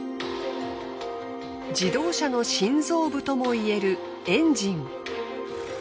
自動車の心臓部とも言えるエンジン。